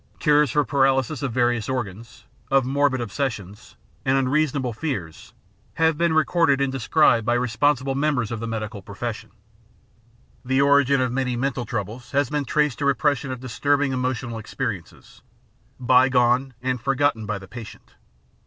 Cures of paralysis of various organs, of morbid obsessions, and imreasonable fears have been recorded and described by respon sible members of the medical profession. The origin of many mental troubles has been traced to repression of disturbing emo tional experiences, bygone and forgotten by the patient.